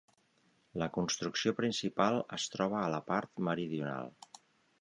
La construcció principal es troba a la part meridional.